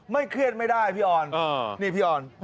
ไม่เครียดไม่ได้พี่ออน